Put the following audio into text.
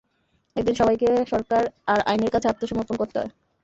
একদিন সবাইকেই সরকার আর আইনের কাছে আত্মসমর্পণ করতে হয়।